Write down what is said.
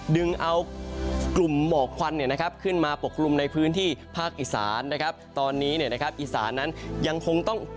ดึงเอากลุ่มหมอกควันขึ้นมาปกครุมในภาคอีสานตอนนี้อีสานนั้นยังคงต้องเจอกับหมอก